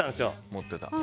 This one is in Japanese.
持ってた。